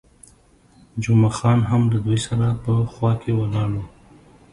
جمعه خان هم له دوی سره په خوا کې ولاړ وو.